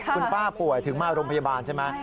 คุณป้าป่วยถึงมาโรงพยาบาลใช่ไหม